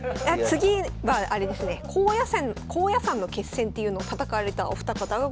次はあれですね高野山の決戦っていうのを戦われたお二方がございます。